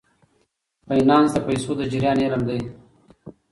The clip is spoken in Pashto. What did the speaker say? فینانس د پیسو د جریان علم دی.